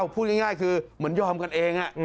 พูดง่ายคือเหมือนยอมกันเอง